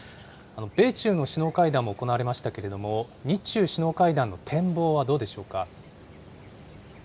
米中の首脳会談も行われましたけれども、日中首脳会談の展望はどうでしょうか。